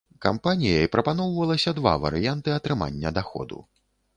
Кампаніяй прапаноўвалася два варыянты атрымання даходу.